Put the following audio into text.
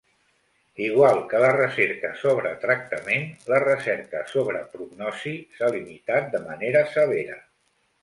Igual que la recerca sobre tractament, la recerca sobre prognosi s'ha limitat de manera severa.